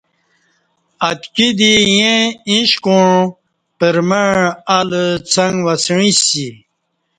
اتکی دی ایں ایݩش کوعں پرمع الہ څنگ وسعی سی